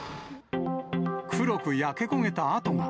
黒く焼け焦げた跡が。